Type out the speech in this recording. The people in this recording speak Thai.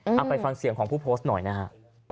เอาไปฟังเสียงของผู้โพสต์หน่อยนะฮะ